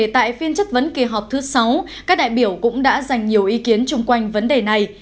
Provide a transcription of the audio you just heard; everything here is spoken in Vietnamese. tại phiên chất vấn kỳ họp thứ sáu các đại biểu cũng đã dành nhiều ý kiến chung quanh vấn đề này